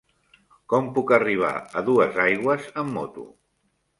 Com puc arribar a Duesaigües amb moto?